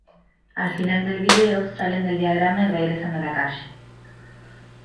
Al final del vídeo, salen del diagrama y regresan a la calle.